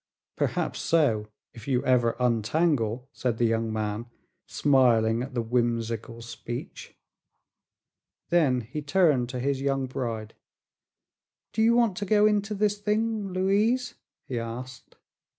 "Perhaps so if you ever untangle," said the young man, smiling at the whimsical speech. Then he turned to his young bride. "Do you want to go into this thing, Louise?" he asked.